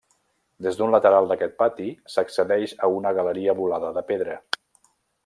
Des d'un lateral d'aquest pati, s'accedeix a una galeria volada de pedra.